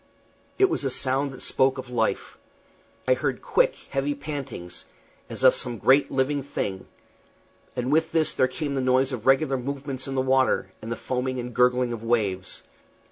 It was a sound that spoke of life. I heard quick, heavy pantings, as of some great living thing; and with this there came the noise of regular movements in the water, and the foaming and gurgling of waves.